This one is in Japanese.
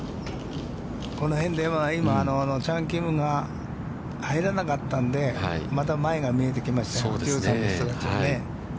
この辺で今、チャン・キムが入らなかったんで、また前が見えてきましたよ。